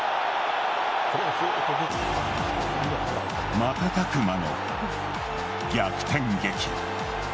瞬く間の逆転劇。